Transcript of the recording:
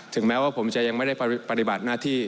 แม้ว่าผมจะยังไม่ได้ปฏิบัติหน้าที่